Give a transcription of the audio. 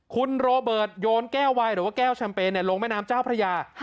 คุณโรเบิร์ตโยนแก้ววายหรือว่าแก้วแชมเปญลงแม่น้ำเจ้าพระยา